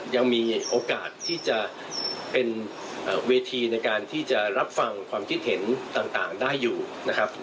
ยังมีโอกาสที่จะเป็นเวทีในการที่จะรับฟังความคิดเห็นต่างได้อยู่นะครับ